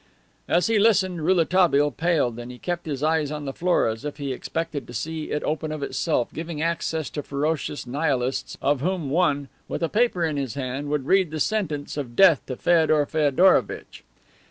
As he listened Rouletabille paled and he kept his eyes on the door as if he expected to see it open of itself, giving access to ferocious Nihilists of whom one, with a paper in his hand, would read the sentence of death to Feodor Feodorovitch.